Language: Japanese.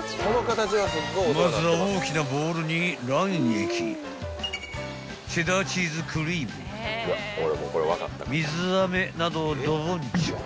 ［まずは大きなボウルに卵液チェダーチーズクリーム水あめなどをドボンチョ］